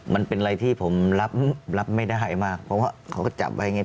มันเป็นอะไรที่ผมรับไม่ได้มากเพราะว่าเขาก็จับไว้อย่างนี้